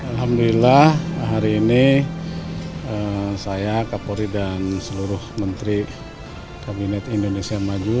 alhamdulillah hari ini saya kapolri dan seluruh menteri kabinet indonesia maju